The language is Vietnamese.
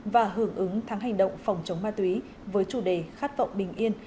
và hưởng ứng tháng hành động phòng chống ma túy với chủ đề khát vọng bình yên